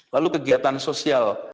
lalu kegiatan sosial